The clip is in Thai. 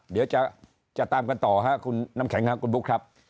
เดี๋ยวจะตามกันต่อครับคุณน้ำแข็งครับคุณบุ๊คครับ